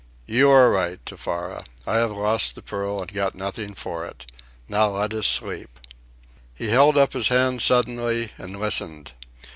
You are right, Tefara. I have lost the pearl, and got nothing for it. Now let us sleep." He held up his hand suddenly and listened.